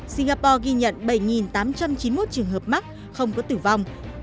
singapore ghi nhận bảy tám trăm chín mươi một trường hợp mắc không có tử vong